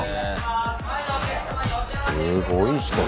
すごい人だ。